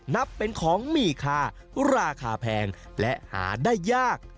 นับเป็นของมีค่าราคาแพงและหาได้ยาก